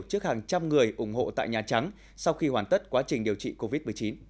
trước hàng trăm người ủng hộ tại nhà trắng sau khi hoàn tất quá trình điều trị covid một mươi chín